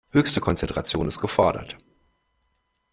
Höchste Konzentration ist gefordert.